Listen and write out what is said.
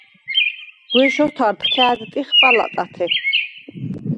გუ̂ეშ ოთარდ ქა̄̈დტიხ პალატათე.